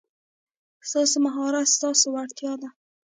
ستاسو مهارت ستاسو وړتیا ده.